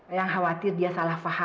eyang khawatir dia salah faham